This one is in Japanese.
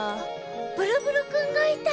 ブルブルくんがいたよ！